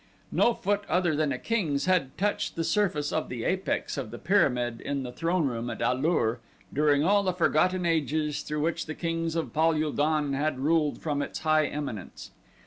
No foot other than a king's had touched the surface of the apex of the pyramid in the throneroom at A lur during all the forgotten ages through which the kings of Pal ul don had ruled from its high eminence.